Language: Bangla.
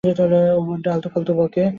ও বড্ড আলতু-ফালতু বকে।